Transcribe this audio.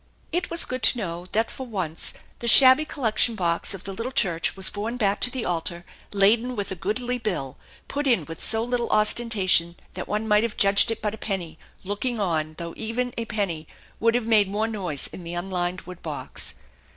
It was good to know that for once the shabby collection box of the little church was borne back to the altar laden THE ENCHANTED BARN 217 with a goodly bill, put in with so little ostentation that one might have judged it but a penny, looking on, though even a penny would have made more noise in the unlined wooden box.